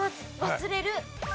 忘れる。